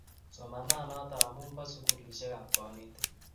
somananato amu bo sugulisheek ab konetik